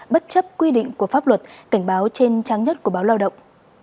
bất chấp quy định của pháp luật cảnh báo trên trang nhất của báo lao động